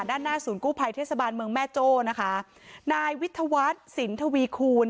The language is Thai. ด้านหน้าศูนย์กู้ภัยเทศบาลเมืองแม่โจ้นะคะนายวิทยาวัฒน์สินทวีคูณ